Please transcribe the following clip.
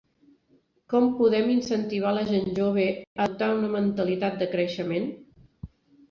Com podem incentivar la gent jove a adoptar una mentalitat de creixement?